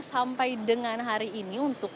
sampai dengan hari ini untuk